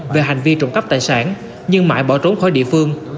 về hành vi trộm cắp tài sản nhưng mãi bỏ trốn khỏi địa phương